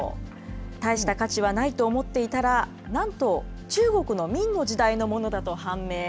大した価値はないと思っていたら、なんと中国の明の時代のものだと判明。